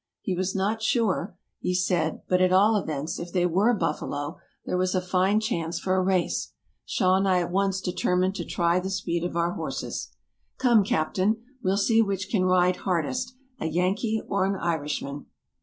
He was not sure, he said, but at all events, if they were buffalo, there was a fine chance for a race. Shaw and I at once determined to try the speed of our horses. "Come, captain; we'll see which can ride hardest, a Yankee or an Irishman."